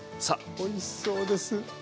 おいしそうです！